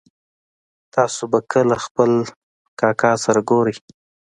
تاسو به کله خپل کاکا سره ګورئ